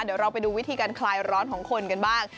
เดี๋ยวเราไปดูวิธีการคลายร้อนของคนกันบ้าง